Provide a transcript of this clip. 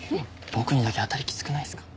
僕にだけ当たりきつくないですか？